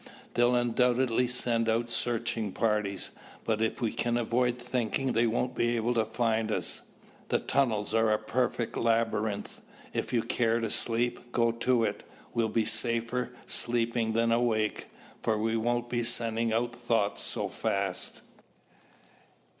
"They'll undoubtedly send out searching parties, but if we can avoid thinking they won't be able to find us. The tunnels are a perfect labyrinth. If you care to sleep, go to it. We'll be safer sleeping than awake, for we won't be sending out thoughts so fast."